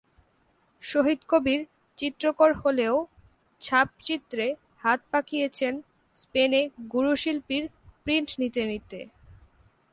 শহিদ কবির চিত্রকর হলেও ছাপচিত্রে হাত পাকিয়েছেন স্পেনে গুরুশিল্পীর প্রিন্ট নিতে নিতে।